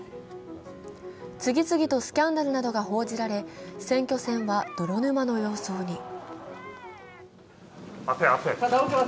次々とスキャンダルなどが報じられ選挙戦は泥沼の様相に。